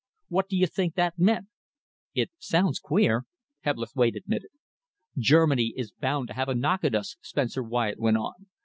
What do you think that meant?" "It sounds queer," Hebblethwaite admitted. "Germany is bound to have a knock at us," Spencer Wyatt went on.